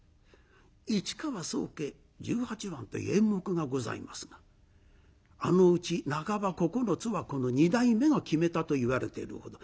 市川宗家十八番という演目がございますがあのうち半ば９つはこの二代目が決めたといわれているほど。